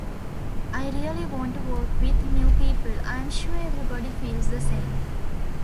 I really want to work with new people, I'm sure everybody feels the same.